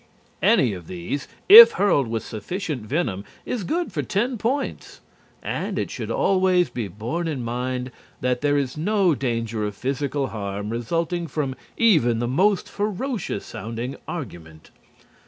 Any one of these, if hurled with sufficient venom, is good for ten points. And it should always be borne in mind that there is no danger of physical harm resulting from even the most ferocious sounding argument.